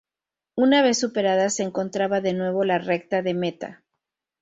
Una vez superada se encontraba de nuevo la recta de meta.